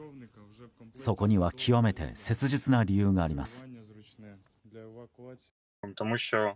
そこには極めて切実な理由があります。